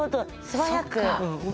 素早く。